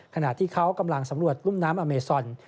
ขณะที่เขากำลังสำรวจรุ่มน้ำอเมซอน